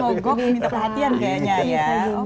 minta perhatian kayaknya ya